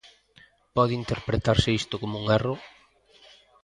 Pode interpretarse isto como un erro?